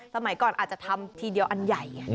สมัยก่อนอาจจะทำทีเดียวอันใหญ่ไง